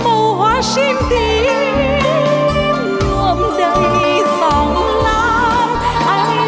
màu hoa xinh tím nuộm đầy dòng lắm